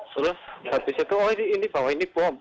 terus habis itu oh ini bawah ini bom